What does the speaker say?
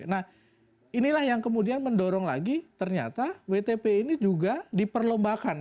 nah inilah yang kemudian mendorong lagi ternyata wtp ini juga diperlombakan